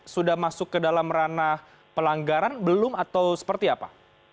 sudah masuk ke dalam ranah pelanggaran belum atau seperti apa